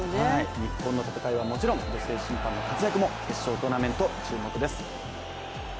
日本の戦いはもちろん女性審判の活躍も決勝トーナメント、注目です。